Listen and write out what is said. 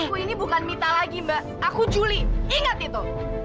aku ini bukan mita lagi mbak aku culi ingat itu